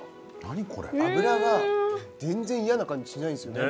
脂が全然嫌な感じしないんですよね。